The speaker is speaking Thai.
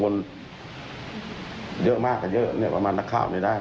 วนเยอะมากกว่าเยอะเหมือนมันหนักข้าวในด้าน